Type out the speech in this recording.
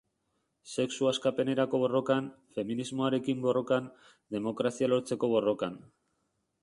Sexu askapenerako borrokan, feminismoarekin borrokan, demokrazia lortzeko borrokan.